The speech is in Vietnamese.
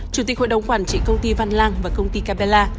chủ tịch hội đồng quản trị công ty văn lang và công ty capella